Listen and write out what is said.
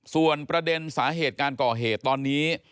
ส่วนประเด็นสาเหตุการก่อเหตุตอนนี้